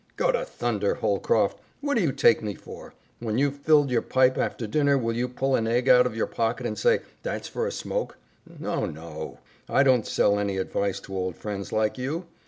"Go to thunder, Holcroft! What do you take me for? When you've filled your pipe after dinner will you pull an egg out of your pocket and say, 'That's for a smoke?' No, no, I don't sell any advice to old friends like you.